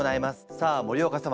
さあ森岡様